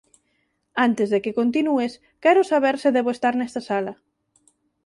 “Antes de que continúes, quero saber se debo estar nesta sala.